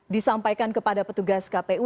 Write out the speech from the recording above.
disampaikan kepada petugas kpu